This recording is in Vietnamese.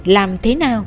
làm thế nào